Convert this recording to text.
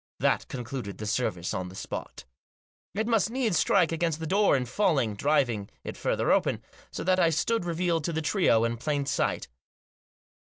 That concluded the service on the spot It must needs strike against the door in falling, driving it further open, so that I stood revealed to the trio in plain sight.